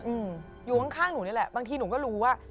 อยู่ข้างนี่แหละบางทีหนูก็รู้ว่า